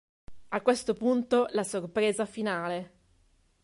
A questo punto la sorpresa finale.